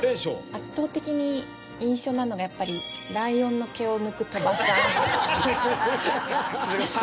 圧倒的に印象なのがやっぱりライオンの毛を抜く鳥羽さん。